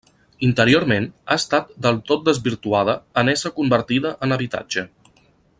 Interiorment, ha estat del tot desvirtuada en ésser convertida en habitatge.